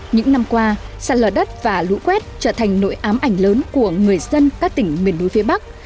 những năm qua sạt lở đất và lũ quét trở thành nỗi ám ảnh lớn của người dân các tỉnh miền núi phía bắc